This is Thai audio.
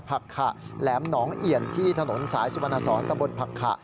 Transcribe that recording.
ผักขะแหลมหนองเอี่ยนที่ถนนสายสุวรรณสอนตะบนผักขะ